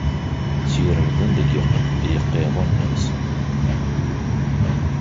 Segremden deg yiqiḍunen-nsen.